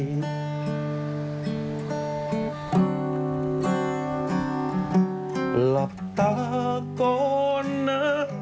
หลับตาก่อนนะ